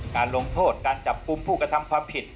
การลงโทษการจับกลุ่มผู้กระทำความผิด